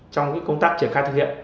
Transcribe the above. trong công tác triển khai thực hiện